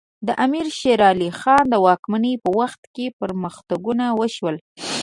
د امیر شیر علی خان د واکمنۍ په وخت کې پرمختګونه وشول.